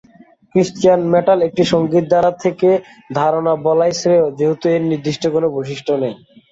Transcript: Cristian metal একটি সঙ্গীত ধারা থেকে ধারণা বলাই শ্রেয় যেহেতু এর নির্দিষ্ট কোন বৈশিষ্ট্য নেই।